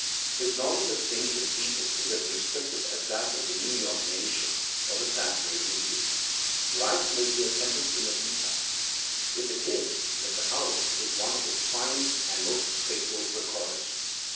His knowledge of things and peo ple is as restricted as that of the New York Nation or the Saturday Review. Life may be a tempest in a teapot. If^| it is, Mr. Howells is one of its finest and most faithfid record f ers.